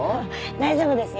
大丈夫ですよ。